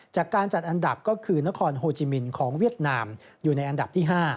จากการจัดอันดับก็คือนครโฮจิมินของเวียดนามอยู่ในอันดับที่๕